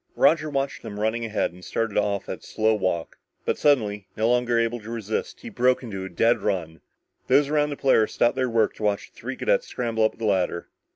Roger watched them running ahead and started off at a slow walk, but suddenly, no longer able to resist, he broke into a dead run. Those around the Polaris stopped their work to watch the three cadets scramble up the ladder.